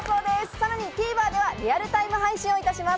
さらにＴＶｅｒでは、リアルタイム配信いたします。